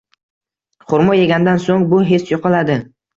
Xurmo yegandan soʻng bu his yoʻqoladi.